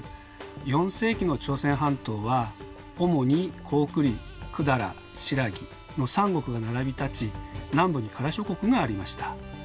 ４世紀の朝鮮半島は主に高句麗百済新羅の三国が並びたち南部に加羅諸国がありました。